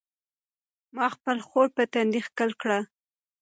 ما خپله خور په تندي ښکل کړه.